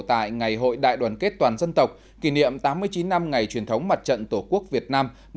tại ngày hội đại đoàn kết toàn dân tộc kỷ niệm tám mươi chín năm ngày truyền thống mặt trận tổ quốc việt nam